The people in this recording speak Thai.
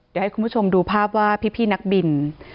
เดี๋ยวให้คุณผู้ชมดูภาพว่าพี่นักบิน